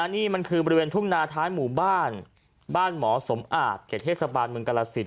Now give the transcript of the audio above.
นี่มันคือบริเวณทุ่งนาท้ายหมู่บ้านบ้านหมอสมอาจเขตเทศบาลเมืองกรสิน